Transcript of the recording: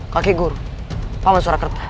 kakek guru paman surakerta